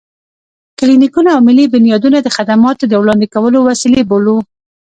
کلينيکونه او ملي بنيادونه د خدماتو د وړاندې کولو وسيلې بولو.